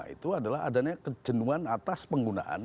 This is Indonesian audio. itu adalah adanya kejenuhan atas penggunaan